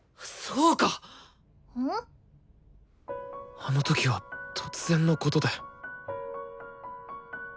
あの時は突然のことで。